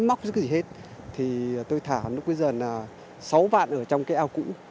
máy móc cái gì hết thì tôi thả lúc bây giờ là sáu vạn ở trong cái ao cũ